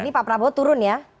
ini pak prabowo turun ya